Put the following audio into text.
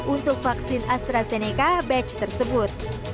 untuk vaksin astrazeneca batch tersebut